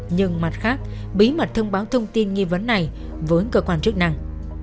nhưng mặt khác bí mật thông báo thông tin nghi vấn này với cơ quan chức năng